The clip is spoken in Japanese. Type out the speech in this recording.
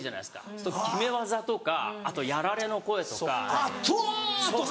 そうすると決め技とかあとやられの声とか。とぉ！とか。